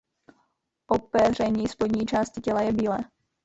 Opeření spodní části těla je bílé.